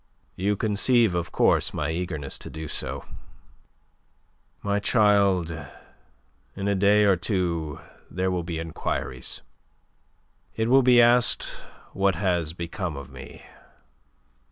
"You conceive, of course, my eagerness to do so. My child, in a day or two there will be enquiries. It will be asked what has become of me.